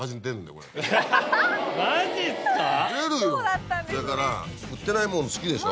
それから売ってないもの好きでしょ？